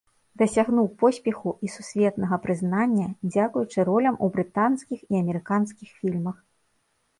Дасягнуў поспеху і сусветнага прызнання дзякуючы ролям у брытанскіх і амерыканскіх фільмах.